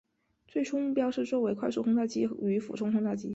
最初目标是作为快速轰炸机与俯冲轰炸机。